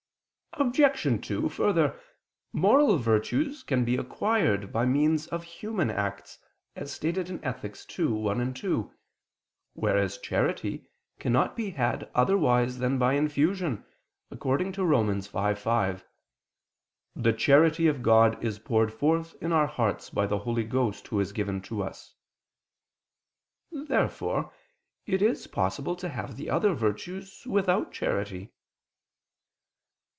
Obj. 2: Further, moral virtues can be acquired by means of human acts, as stated in Ethic. ii, 1, 2, whereas charity cannot be had otherwise than by infusion, according to Rom. 5:5: "The charity of God is poured forth in our hearts by the Holy Ghost Who is given to us." Therefore it is possible to have the other virtues without charity.